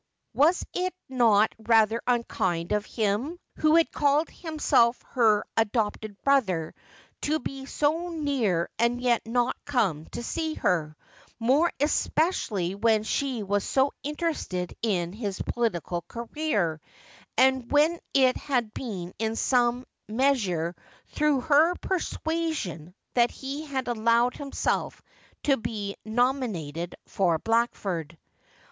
Was it not rather unkind of him who had called himself her adopted brother to be so near and yet not come to see her— more especially when she was so interested in his political career, and when it had been in some measure through her persuasion that he had allowed himself to be nominated for Blackford.